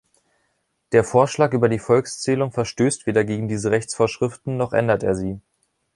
Der Vorschlag über die Volkszählung verstößt weder gegen diese Rechtsvorschriften noch ändert er sie.